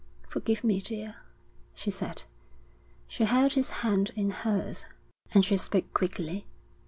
'Forgive me, dear,' she said. She held his hand in hers, and she spoke quickly.